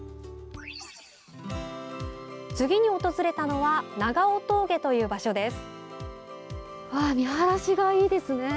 次に訪れたのは長尾峠という場所です。